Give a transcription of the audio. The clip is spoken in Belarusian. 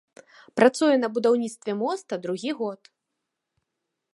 Працуе на будаўніцтве моста другі год.